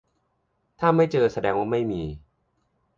ถ้าไม่เจอแสดงว่าไม่มี